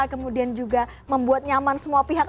kemudian juga membuat nyaman semua pihak